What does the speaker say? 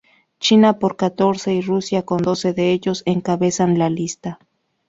China con catorce y Rusia con doce de ellos encabezan la lista.